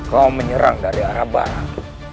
kau menyerang dari arah barat